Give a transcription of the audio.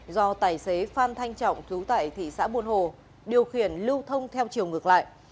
do tài xế phan thanh trọng chú tại thị xã buôn hồ điều khiển lưu thông theo chiều ngược lại